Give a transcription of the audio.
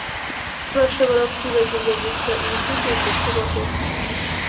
Turashobora kwibagirwa gusa ibi byigeze kubaho?